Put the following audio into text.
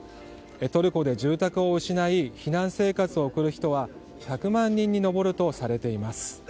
トルコで住宅を失い避難生活を送る人は１００万人に上るとされています。